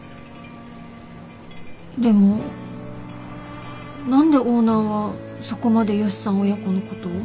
でも何でオーナーはそこまでヨシさん親子のことを？